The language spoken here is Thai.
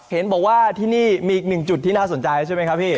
เห็นบอกว่าที่นี่มีอีกหนึ่งจุดที่น่าสนใจใช่ไหมครับพี่